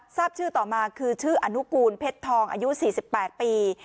ทราบชื่อต่อมาคือชื่ออนุกูลเพชรทองอายุ๔๘ปี